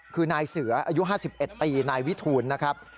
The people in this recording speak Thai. คือนายเสืออายุ๕๑ปีนายวิทูลนะครับ